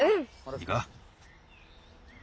いいか？